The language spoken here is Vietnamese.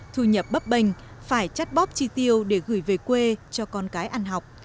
thu nhập bấp bênh phải chắt bóp chi tiêu để gửi về quê cho con cái ăn học